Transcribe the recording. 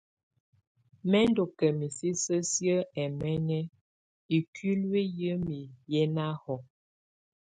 Mɛ̀ ndù ka misisǝ siǝ́ ɛmɛŋɛ ikuili yǝmi yɛ na hɔ̀á.